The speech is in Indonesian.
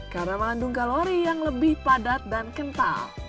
karena mengandung kalori yang lebih padat dan kental